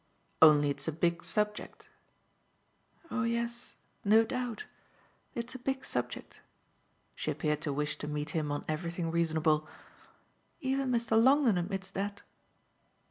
"Only it's a big subject." "Oh yes no doubt; it's a big subject." She appeared to wish to meet him on everything reasonable. "Even Mr. Longdon admits that."